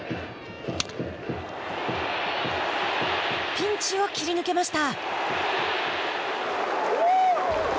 ピンチを切り抜けました。